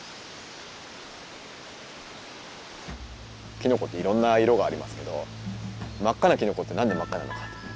きのこっていろんな色がありますけど真っ赤なきのこって何で真っ赤なのかと。